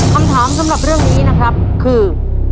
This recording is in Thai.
คำถามสำหรับเรื่องนี้นะครับคือ